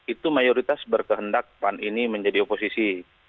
itu mayoritas berkehendak pan ini menjadi oposisi